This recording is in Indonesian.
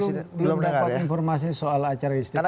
saya belum dapat informasi soal acara istiqla